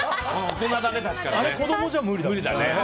あれ、子供じゃ無理だもんね。